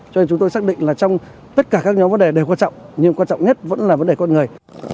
cho nên chúng tôi xác định là trong tất cả các nhóm vấn đề đều quan trọng nhưng quan trọng nhất vẫn là vấn đề con người